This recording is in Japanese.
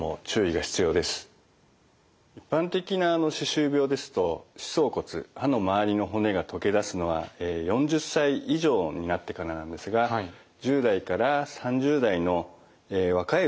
一般的な歯周病ですと歯槽骨歯の周りの骨が溶けだすのは４０歳以上になってからなんですが１０代から３０代の若いうちにですね